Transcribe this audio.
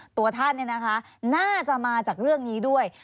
ตัวท่านเนี่ยนะคะน่าจะมาจากเรื่องนี้ด้วย